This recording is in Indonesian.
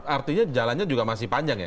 artinya jalannya juga masih panjang ya